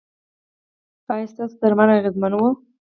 ایا ستاسو درمل اغیزمن وو؟